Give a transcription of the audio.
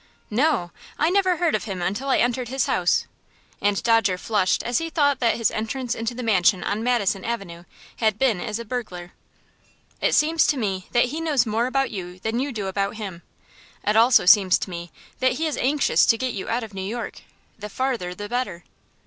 "No; I never heard of him until I entered his house," and Dodger flushed as he thought that his entrance into the mansion on Madison Avenue had been as a burglar. "It seems to me that he knows more about you than you do about him. It also seems to me that he is anxious to get you out of New York, the farther the better."